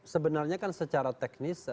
sebenarnya kan secara teknis